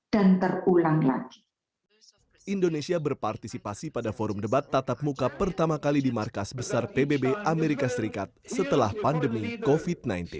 dan terulang lagi